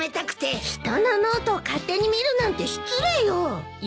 人のノートを勝手に見るなんて失礼よ！